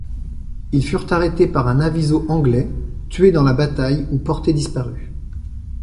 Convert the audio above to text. Ils furent arrêtés par un aviso anglais, tués dans la bataille ou portés disparus...